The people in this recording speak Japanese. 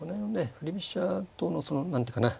振り飛車党の何ていうかな